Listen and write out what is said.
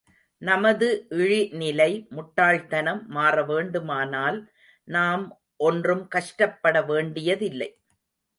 நமது இழிநிலை, முட்டாள்தனம் மாறவேண்டுமானால், நாம் ஒன்றும் கஷ்டப்பட வேண்டியதில்லை.